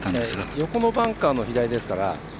横のバンカーの左ですから。